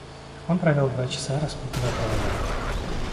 Он провёл два часа, распутывая провода.